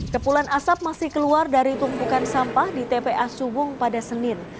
kepulan asap masih keluar dari tumpukan sampah di tpa subung pada senin